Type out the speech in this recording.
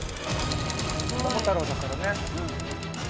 『桃太郎』だからね。